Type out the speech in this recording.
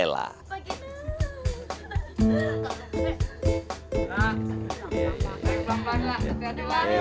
mak mak mak